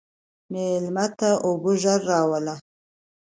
مېلمه ته اوبه ژر راوله.